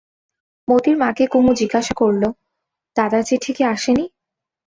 মোতির মাকে কুমু জিজ্ঞাসা করলে, দাদার চিঠি কি আসে নি?